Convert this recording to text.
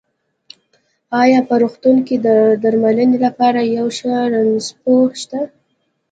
ايا په روغتون کې د درمنلې لپاره يو ښۀ رنځپوۀ شته؟